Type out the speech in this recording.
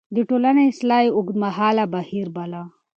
د ټولنې اصلاح يې اوږدمهاله بهير باله.